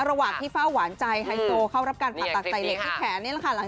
ระหว่างที่เฝ้าหวานใจไฮโซเข้ารับการผ่าตัดใส่เหล็กที่แขนนี่แหละค่ะ